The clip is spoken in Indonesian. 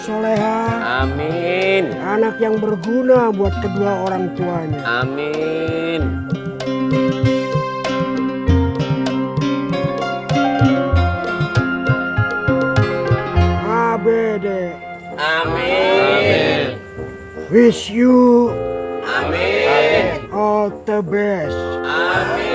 meleha amin anak yang berguna buat kedua orang tuanya amin abd amin wisiu amin ote bes amin